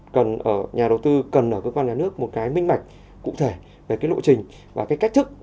cần nhà đầu tư cần ở cơ quan nhà nước một cái minh bạch cụ thể về cái lộ trình và cái cách thức